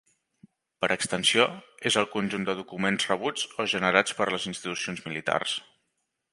Per extensió, és el conjunt de documents rebuts o generats per les institucions militars.